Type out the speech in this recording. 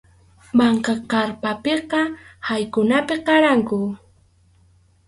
Manka kʼarpapiqa allqumanmi qaranku.